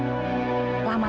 ini bener bener gawat